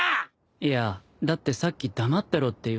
いやだってさっき黙ってろって言われたし。